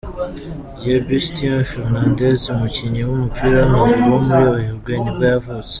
Sebastián Fernández, umukinnyi w’umupira w’amaguru wo muri Uruguay ni bwo yavutse.